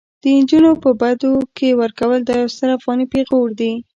د انجونو په بدو کي ورکول دا يو ستر افغاني پيغور دي